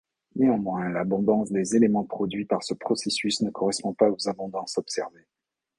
Néanmoins, l'abondance des éléments produits par ce processus ne correspond pas aux abondances observées.